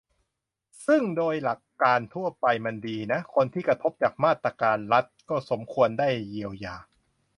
ซึ่งโดยหลักการทั่วไปมันดีนะ คนที่กระทบจากมาตรการรัฐ ก็สมควรได้เยียวยา